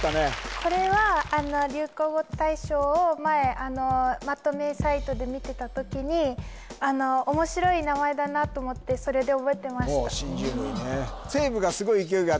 これは流行語大賞を前まとめサイトで見てた時に面白い名前だなと思ってそれで覚えてました「新人類」ね